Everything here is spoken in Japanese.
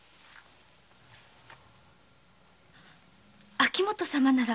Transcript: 秋元様なら。